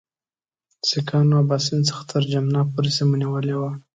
سیکهانو اباسین څخه تر جمنا پورې سیمه نیولې وه.